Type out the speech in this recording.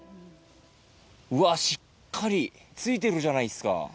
うわっ、しっかりついてるじゃないっすか。